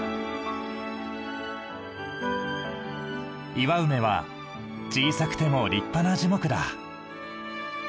イワウメは小さくても立派な樹木だ。